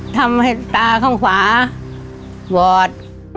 ทำให้ตาข้างขวาวอด